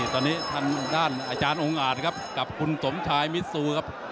ตอนนี้ทางด้านอาจารย์องค์อาจครับกับคุณสมชายมิซูครับ